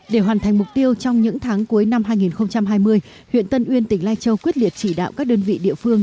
để hoàn thành mục tiêu trong những tháng cuối năm hai nghìn hai mươi huyện tân uyên tỉnh lai châu quyết liệt chỉ đạo các đơn vị địa phương